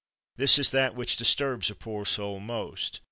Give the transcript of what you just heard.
' This is that which disturbs a poor soul most.